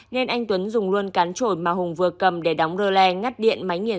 nên anh tuấn dùng luôn cán trổi mà hùng vừa cầm để đóng rơ le